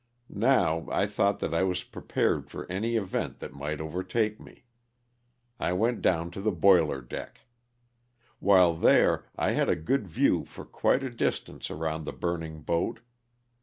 Now, I thought that I was prepared for any event that might overtake me. I went down on the boiler deck. While there I had a good view for quite a dis tance around the burning boat.